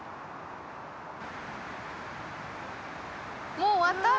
もう終わった？